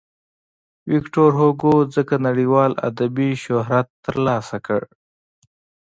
ویکتور هوګو څنګه نړیوال ادبي شهرت ترلاسه کړ.